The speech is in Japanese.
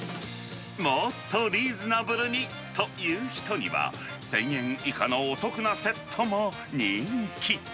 もっとリーズナブルにという人には１０００円以下のお得なセットも人気。